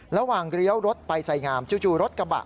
ระหว่างเลี้ยวรถไปใส่งามจู่รถกระบะ